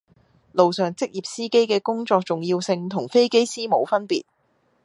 路上職業司機嘅工作重要性同飛機師冇分別